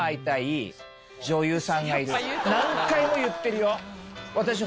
何回も言ってるよ。